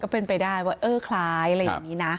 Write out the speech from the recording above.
ก็เป็นไปได้ว่าคล้ายินี่นะ